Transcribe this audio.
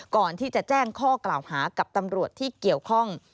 ก่อนที่จะแจ้งข้อกล่าวหากับตำรวจที่เกี่ยวข้อง